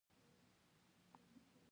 مستو هوښیاره وه، د چیني په وفادارۍ پوه شوه.